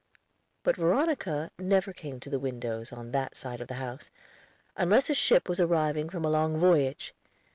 But Veronica never came to the windows on that side of the house, unless a ship was arriving from a long voyage.